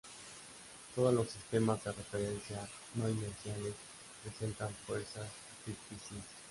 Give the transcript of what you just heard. Todos los sistemas de referencia no inerciales presentan fuerzas ficticias.